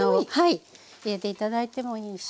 はい入れて頂いてもいいし。